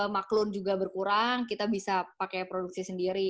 maklun juga berkurang kita bisa pakai produksi sendiri